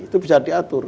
itu bisa diatur